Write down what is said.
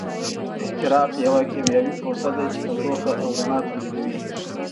احتراق یوه کیمیاوي پروسه ده چې تودوخه او رڼا تولیدوي.